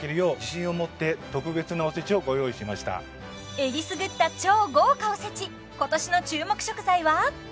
えりすぐった超豪華おせち今年の注目食材は？